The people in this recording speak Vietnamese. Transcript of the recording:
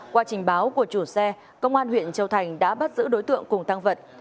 qua trình báo của chủ xe công an huyện châu thành đã bắt giữ đối tượng cùng tăng vật